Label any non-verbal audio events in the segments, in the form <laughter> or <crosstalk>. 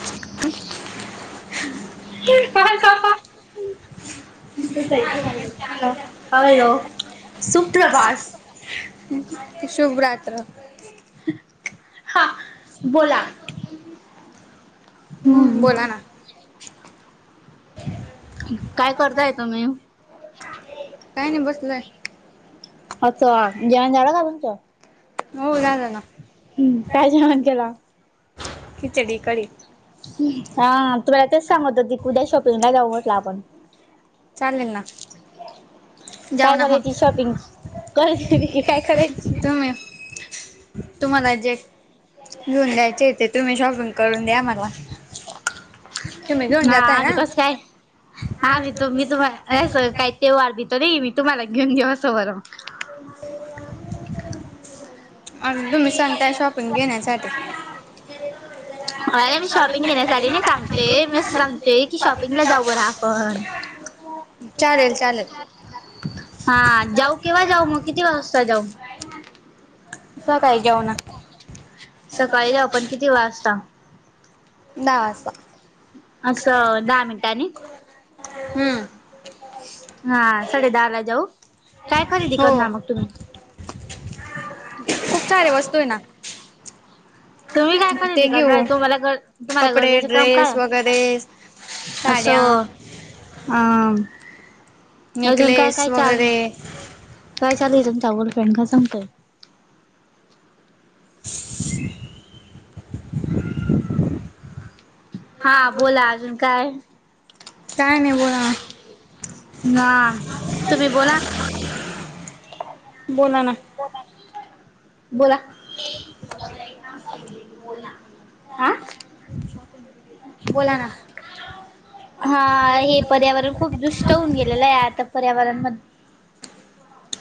हंहं! हे काय हाय का? हे ताई हॅलो सु-प्रभात शुभ रात्र हा बोला. हम्म हंहं बोला ना काय करताय तुम्ही? काही नाही बसलोय अच्छा आणायला जाणार काय तुमच्या? हो झालं ना हं काय जेवण केला? खिचडी, कडी हं हा. तुम्हाला तेच सांगत होते की, उद्या शॉपिंगला जाऊ म्हटलं आपण. चालेल ना जाऊ काय ना मग करायची शॉपिंग करायची काय करायची? तुम्ही तुम्हाला जे घेऊन द्यायचे? ते तुम्ही शॉपिंग करून द्या मला. तुम्ही घेऊन हा जाताय आम्ही ना कस काय आम्ही तु मी तु काय तेव्हा आ बी तरी मी तुम्हाला घेऊन देव असं बरं. आणि तुम्ही काय सांगताय काय शॉपिंग घेण्यासाठी पाहतीय अ मी शॉपिंग घेण्यासाठी नाही सांग - ते मी अस सांगते की शॉपिंग ला जाऊ या आपण चालेल चालेल हा जाऊ केव्हा जाऊ? मग किती वाजता जाऊ? सकाळी जाऊ ना सकाळी जाऊ आपण किती पण वाजता दहा वाजता असं दहा मिनिटांनी, हम्म हा साडे दहाला जाऊ. काय खरेदी हो कर ना मग तुम्ही? खूप सारे वस्तु आहेत ना? तुम्ही काय ते खरेदी करणार घेऊ तुम्हाला तुम्हाला कपडे गरजेचे काम काय? ड्रेस वगैरे साड्या असं हं! अजून काय नेकलेस काय चाल - वगैरे काय चालुय म चांगलेच फ्रेंड का सांगतोय? हं हा बोला अजून काय? काय नाही बोला हं तुम्ही बोला - बोला ना. बोला. हा. बोला ना. हा हे पर्यावरण खूप दुष्ट होऊन गेलेलं आहे. आता पर्यावरण म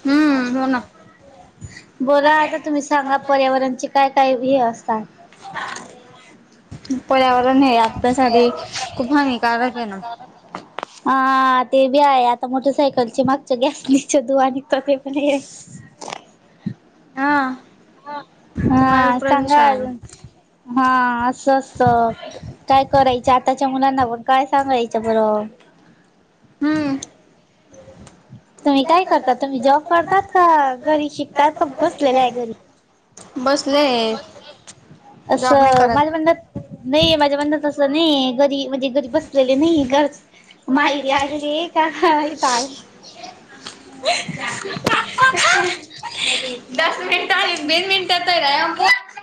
हम्म हो ना बोला आता तुम्ही सांगा पर्यावरणची काय काय व असता? <inaudible> पर्यावरण हे आपल्यासाठी खूप हानिकारक आहे ना. हा ते बी आहे आता मोटर सायकल त्यांच्या मागच्या गॅस निच धूर निघता ते पण आहे हा. वायू हा सांगा प्रदूषण अजून हा असं असंचत काय करायच आताच्या मुलांनावर काय सांगायच्या बरं हम्म तुम्ही काय करता तुम्ही जॉब करताात का घरी शिकताात का बसलेलं आहे घरी? बसले जॉब नाही असं माझ्या करत. म्हणण्याचं नाही माझ्या म्हणण्या अस नाही घरी. म्हणजे घरी बसलेले नाही घर मायरी आलेले का? चाल <inaudible> दस मिनट बिन मिनट येतय रा प <unintelligible>